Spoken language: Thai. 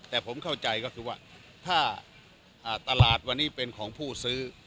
แต่ผมเข้าใจก็คือว่าถ้าตลาดวันนี้เป็นของผู้ซื้อ